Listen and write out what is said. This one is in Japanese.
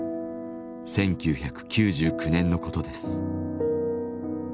１９９９年のことです。